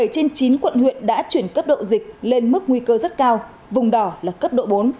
bảy trên chín quận huyện đã chuyển cấp độ dịch lên mức nguy cơ rất cao vùng đỏ là cấp độ bốn